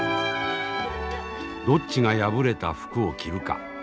どっちが破れた服を着るか。